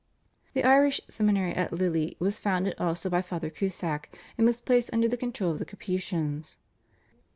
The Irish seminary at Lille was founded also by Father Cusack, and was placed under the control of the Capuchins.